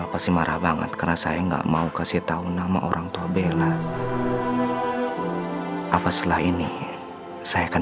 pasti marah banget kerasa enggak mau kasih tahu nama orang tua bella apa setelah ini saya akan